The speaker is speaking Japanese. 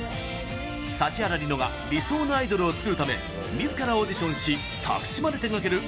指原莉乃が理想のアイドルを作るためみずからオーディションし作詞まで手がける